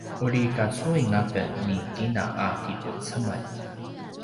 uri kacuin aken ni kina a kipucemel